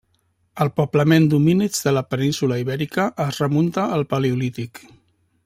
El poblament d'homínids de la península Ibèrica es remunta al paleolític.